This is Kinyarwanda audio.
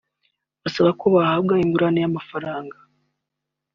basaba ko bahabwa ingurane y’amafaranga